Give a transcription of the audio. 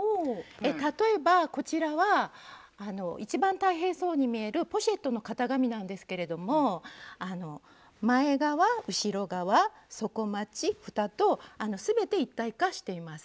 例えばこちらは一番大変そうに見えるポシェットの型紙なんですけれども前側後ろ側底まちふたと全て一体化しています。